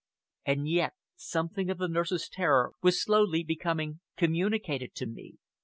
And yet something of the nurse's terror was slowly becoming communicated to me.